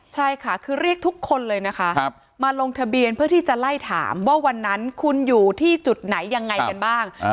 ใช่ค่ะคือเรียกทุกคนเลยนะคะมาลงทะเบียนเพื่อที่จะไล่ถามว่าวันนั้นคุณอยู่ที่จุดไหนยังไงกันบ้าง